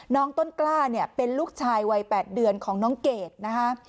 ต้นกล้าเนี่ยเป็นลูกชายวัย๘เดือนของน้องเกดนะคะ